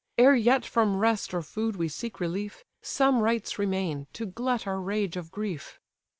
Ere yet from rest or food we seek relief, Some rites remain, to glut our rage of grief."